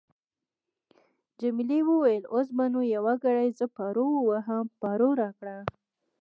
جميلې وويل:: اوس به نو یو ګړی زه پارو وواهم، پارو راکړه.